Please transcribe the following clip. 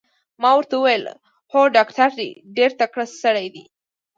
ما ورته وویل: هو ډاکټر دی، ډېر تکړه سړی دی.